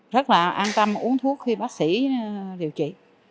rất là an tâm uống thuốc khi bác sĩ điều trị